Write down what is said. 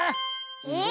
えっ。